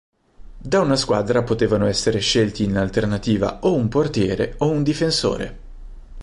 Da una squadra potevano essere scelti in alternativa o un portiere o un difensore.